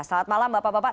selamat malam bapak bapak